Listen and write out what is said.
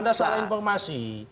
anda salah informasi